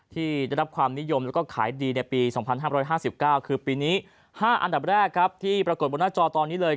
ที่ได้รับความนิยมแล้วก็ขายดีในปี๒๕๕๙คือปีนี้๕อันดับแรกครับที่ปรากฏบนหน้าจอตอนนี้เลย